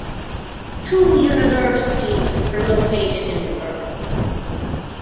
Two universities are located in the borough.